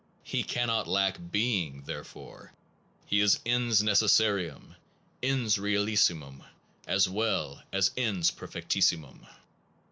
He cannot lack being therefore: He is Ens necessarium, Ens realissimum, as well as Ens perfectissimum.